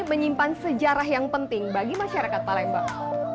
menyimpan sejarah yang penting bagi masyarakat palembang